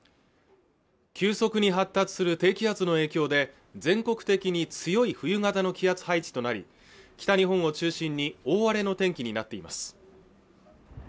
急速に発達する低気圧の影響で全国的に強い冬型の気圧配置となり北日本を中心に大荒れの天気になっています